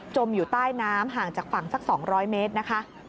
อยู่ใต้น้ำห่างจากฝั่งสัก๒๐๐เมตรนะคะ